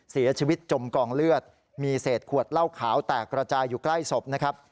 จมกองเลือดมีเศษขวดเหล้าขาวแตกระจายอยู่ใกล้ศพนะครับ